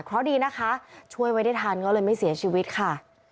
เพราะดีนะคะช่วยไว้ได้ทันก็เลยไม่เสียชีวิตค่ะ